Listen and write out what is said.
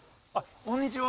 こんにちは。